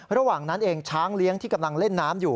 ระหว่างนั้นเองช้างเลี้ยงที่กำลังเล่นน้ำอยู่